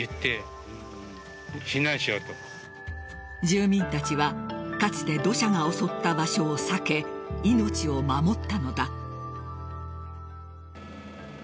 住民たちはかつて土砂が襲った場所を避け命を守ったのだ。